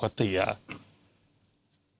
อย่างงี้ครับเรือเนี้ยสามารถใช้การได้แต่โดยปกติอ่ะ